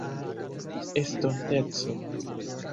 estonteco